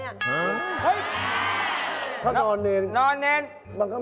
เรียนโรงเรียนอะไร